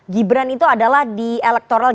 gibran itu adalah di elektoral